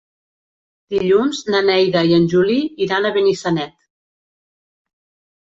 Dilluns na Neida i en Juli iran a Benissanet.